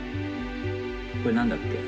これなんだっけ？